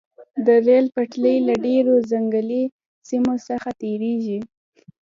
د ریل پټلۍ له ډیرو ځنګلي سیمو څخه تیریږي